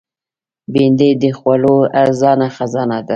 بېنډۍ د خوړو ارزانه خزانه ده